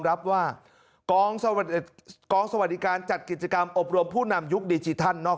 รับว่ากองสวัสดิการจัดกิจกรรมอบรมผู้นำยุคดิจิทัลนอก